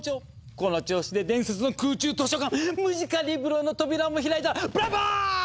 この調子で伝説の空中図書館ムジカリブロの扉も開いたらブラボー！